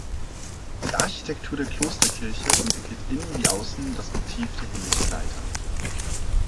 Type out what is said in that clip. Die Architektur der Klosterkirche entwickelt innen wie außen das Motiv der Himmelsleiter.